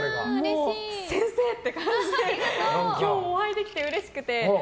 もう先生って感じで今日お会いできて、うれしくて。